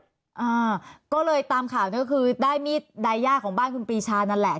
อ่าก็เลยตามข่าวนี้ก็คือได้มีดไดย่าของบ้านคุณปีชานั่นแหละ